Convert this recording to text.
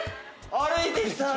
歩いてきたら。